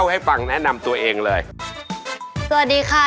ขอบคุณลูกค่ะ